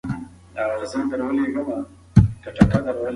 په اصفهان کې د امنیت وضع ښه نه وه.